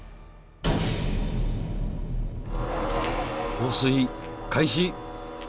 放水開始！